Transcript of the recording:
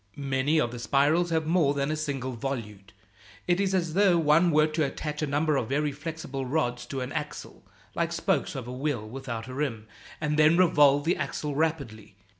Many of the spirals have more than a single volute. It is as though one were to attach a number of very flexible rods to an axle, like spokes of a wheel without a rim and then revolve the axle rapidly.